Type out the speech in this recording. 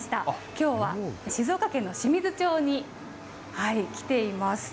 きょうは静岡県の清水町に来ています。